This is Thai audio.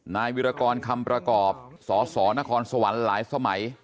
วิรากรคำประกอบสสนครสวรรค์หลายสมัย